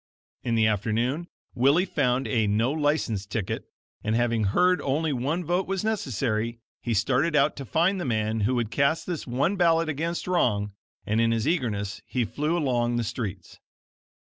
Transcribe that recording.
In the afternoon, Willie found a No License ticket, and, having heard only one vote was necessary, he started out to find the man who would cast this one ballot against wrong, and in his eagerness he flew along the streets.